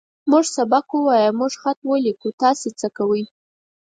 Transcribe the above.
موږ سبق ووايه. موږ خط وليکو. تاسې څۀ کوئ؟